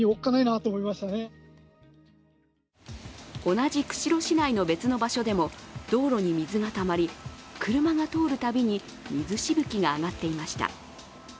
同じ釧路市内の別の場所でも道路に水がたまり車が通るたびに水しぶきが上がっていました。